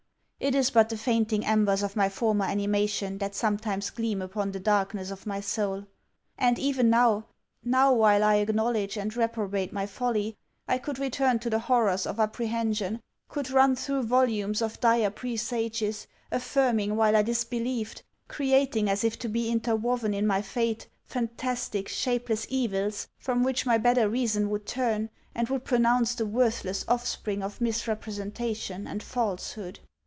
It is but the fainting embers of my former animation that sometimes gleam upon the darkness of my soul. And, even now, now, while I acknowledge and reprobate my folly, I could return to the horrors of apprehension, could run through volumes of dire presages affirming while I disbelieved, creating as if to be interwoven in my fate fantastic, shapeless evils from which my better reason would turn, and would pronounce the worthless offspring of misrepresentation and falsehood.